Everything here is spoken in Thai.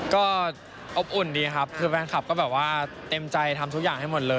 ก็อบอุ่นดีครับคือแฟนคลับก็แบบว่าเต็มใจทำทุกอย่างให้หมดเลย